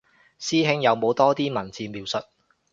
師兄有冇多啲文字描述